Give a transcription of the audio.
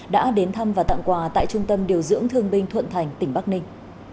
đã đến thăm và tặng quà tại trung tâm điều dưỡng thương binh thuận thành tỉnh bắc ninh